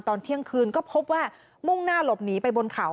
ตอนเที่ยงคืนก็พบว่ามุ่งหน้าหลบหนีไปบนเขา